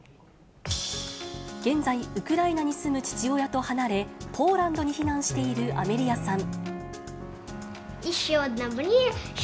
現在、ウクライナに住む父親と離れ、ポーランドに避難しているアメリアさん。